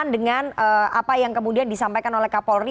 dengan apa yang kemudian disampaikan oleh kapolri